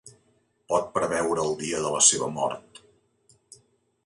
Pot preveure el dia de la seva mort.